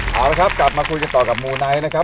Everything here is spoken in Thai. เอาละครับกลับมาคุยกันต่อกับมูไนท์นะครับ